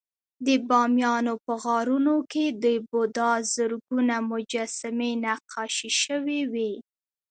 د بامیانو په غارونو کې د بودا زرګونه مجسمې نقاشي شوې وې